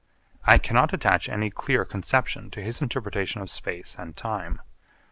I cannot attach any clear conception to his interpretation of space and time.